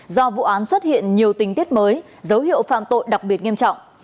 do vụ án xuất hiện nhiều tình tiết mới dấu hiệu phạm tội đặc biệt nghiêm trọng